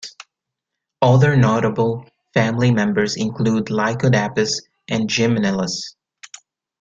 Other notable family members include "Lycodapus" and "Gymnelus".